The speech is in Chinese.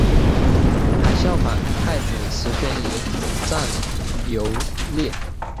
还仿效太子石宣仪仗游猎。